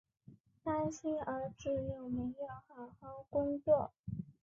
担心儿子有没有好好工作